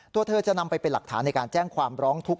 ตัวเธอจะนำไปเป็นหลักฐานในการแจ้งความร้องทุกข